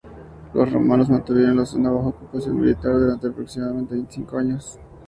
Los romanos mantuvieron la zona bajo ocupación militar durante aproximadamente veinticinco años.